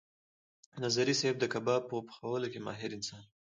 نظري صیب د کباب په پخولو کې ماهر انسان و.